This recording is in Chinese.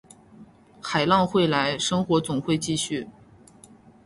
海浪会来，生活总会继续